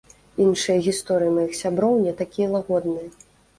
Іншыя гісторыі маіх сяброў не такія лагодныя.